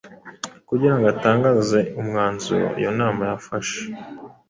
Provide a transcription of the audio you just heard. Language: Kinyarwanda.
kugira ngo atangaze umwanzuro iyo nama yafashe.